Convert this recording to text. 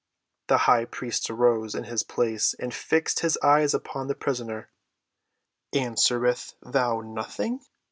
'" The high priest arose in his place and fixed his eyes upon the prisoner. "Answerest thou nothing?"